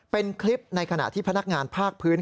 เป็นคลิปในขณะที่พนักงานภาคพื้น